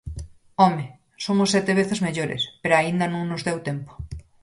¡Home!, somos sete veces mellores, pero aínda non nos deu tempo.